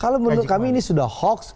kalau menurut kami ini sudah hoax